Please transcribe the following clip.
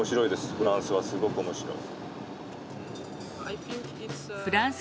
フランスはすごくおもしろい。